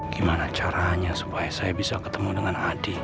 gimana caranya supaya saya bisa ketemu dengan adik